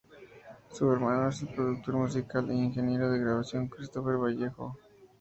Su hermano es el productor musical e ingeniero de grabación Christopher Vallejo.